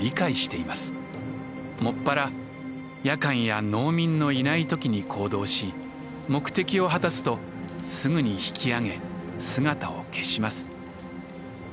もっぱら夜間や農民のいないときに行動し目的を果たすとすぐに引き上げ姿を消します。